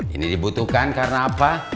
ini dibutuhkan karena apa